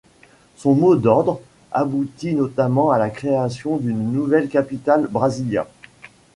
Son mot d'ordre —— aboutit notamment à la création d'une nouvelle capitale, Brasilia.